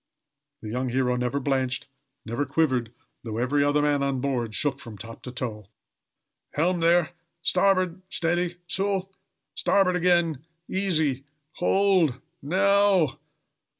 The young hero never blanched, never quivered, though every other man on board shook from top to toe. "Helm, there! starboard! steady! so! Starboard again! Easy! hold! Now!